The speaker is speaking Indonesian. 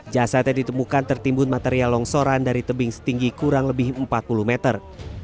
jasadnya ditemukan tertimbun material longsoran dari tebing setinggi kurang lebih empat puluh meter